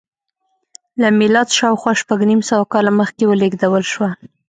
له میلاده شاوخوا شپږ نیم سوه کاله مخکې ولېږدول شوه